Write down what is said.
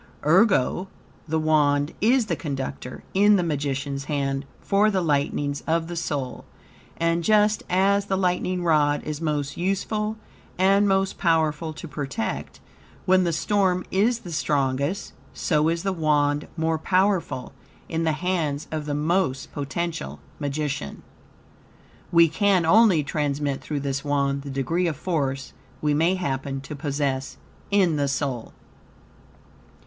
Ergo, the Wand is the conductor, in the magician's hand, for the lightnings of the soul; and just as the lightning rod is most useful and most powerful to protect, when the storm is the strongest; so is the Wand most powerful in the hands of the most potential magician. We can only transmit through this Wand the degree of force we may happen to possess in the soul.